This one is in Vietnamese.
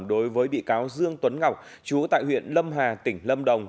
đối với bị cáo dương tuấn ngọc chú tại huyện lâm hà tỉnh lâm đồng